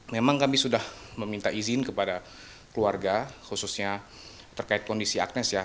memang kami sudah meminta izin kepada keluarga khususnya terkait kondisi agnes ya